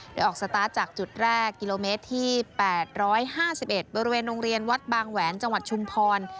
ได้ออกสตาร์ทจากจุดแรกกิโลเมตรที่แปดร้อยห้าสิบเอ็ดบริเวณโรงเรียนวัดบางแหวนจังหวัดชุมพร